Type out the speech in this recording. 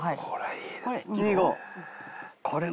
いいですね。